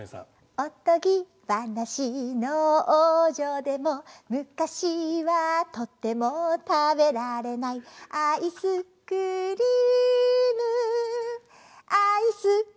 「おとぎばなしのおうじょでもむかしはとてもたべられない」「アイスクリームアイスクリーム」